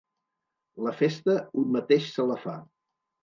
La festa, un mateix se la fa.